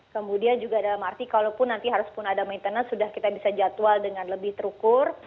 kemudian juga dalam arti kalaupun nanti harus pun ada maintenance sudah kita bisa jadwal dengan lebih terukur